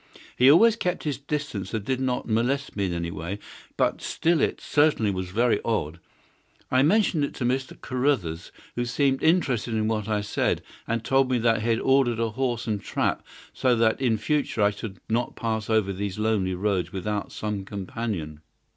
He always kept his distance and did not molest me in any way, but still it certainly was very odd. I mentioned it to Mr. Carruthers, who seemed interested in what I said, and told me that he had ordered a horse and trap, so that in future I should not pass over these lonely roads without some companion.